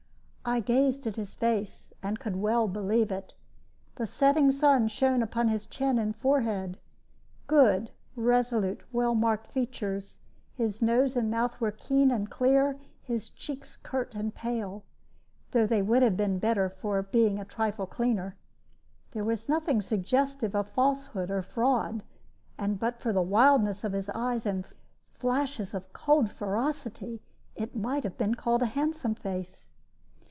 I gazed at his face, and could well believe it. The setting sun shone upon his chin and forehead good, resolute, well marked features; his nose and mouth were keen and clear, his cheeks curt and pale (though they would have been better for being a trifle cleaner). There was nothing suggestive of falsehood or fraud, and but for the wildness of the eyes and flashes of cold ferocity, it might have been called a handsome face.